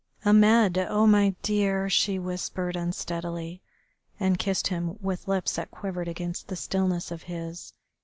"Ahmed, oh, my dear!" she whispered unsteadily, and kissed him with lips that quivered against the stillness of his.